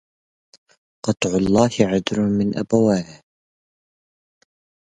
قطع الله عذر من أبواه